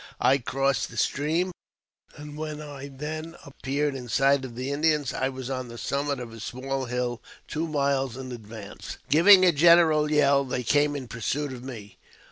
I crossed the stream, and when I again appeared in sight of the Indians I was on the summit of a small hill two miles in advance. Giving a general yell, they came in pursuit of me.